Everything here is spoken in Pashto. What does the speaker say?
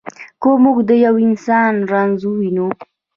که موږ د یوه انسان رنځ ووینو.